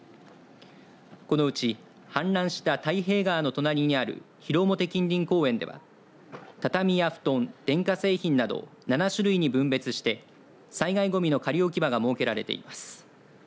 このうち氾濫した太平川の隣にある広面近隣公園では畳や布団、電化製品など７種類に分別して災害ごみの仮置き場が設けられています。